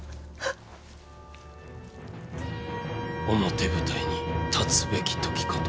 表舞台に立つべき時かと。